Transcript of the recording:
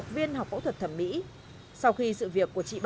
tôi yên tâm là qua học thôi